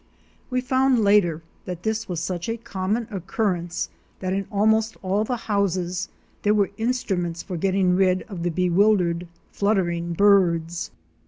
We found later that this was such a common occurrence that in almost all the houses there were instruments for getting rid of the bewildered, fluttering birds.